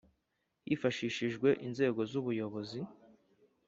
Hifashishijwe inzego z ubuyobozi